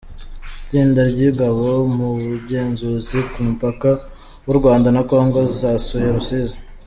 Itsinda ry’ingabo mu bugenzuzi ku mupaka w’u Rwanda na Congo zasuye Rusizi